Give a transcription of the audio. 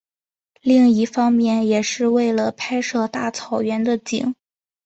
另一方面也是为了拍摄大草原的景。